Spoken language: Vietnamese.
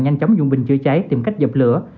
nhanh chóng dùng bình chữa cháy tìm cách dập lửa